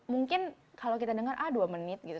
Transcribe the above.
mungkin kalau kita dengar ah dua menit gitu